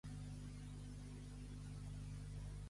Molts plets neixen dels perits i dels segons marits.